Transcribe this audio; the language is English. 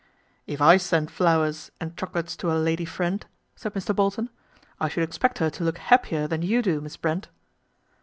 11 If I sent flowers and chocolates to a lady friend," said Mr. Bolton, " I should expect her to look happier than you do, Miss Brent."